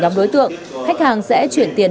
nhóm đối tượng khách hàng sẽ chuyển tiền